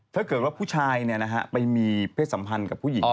ถ้าเกิดว่าผู้ชายไปมีเพศสัมพันธ์กับผู้หญิง